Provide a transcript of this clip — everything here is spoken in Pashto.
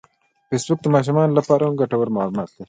فېسبوک د ماشومانو لپاره هم ګټور معلومات لري